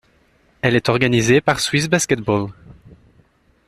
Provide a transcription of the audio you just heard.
Elle est organisée par SwissBasketball.